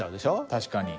確かに。